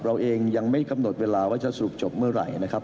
เราเองยังไม่กำหนดเวลาว่าจะสรุปจบเมื่อไหร่นะครับ